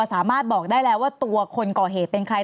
สามารถบอกได้แล้วว่าตัวคนก่อเหตุเป็นใคร